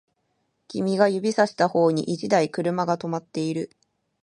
君が指差した方に一台車が止まっている